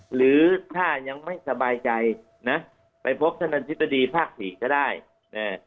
หรือถ้ายังไม่สบายใจน่ะไปพบท่านที่ประดีภาคศรีก็ได้น่ะ